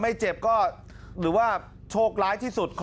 ไม่เจ็บก็หรือว่าโชคร้ายที่สุด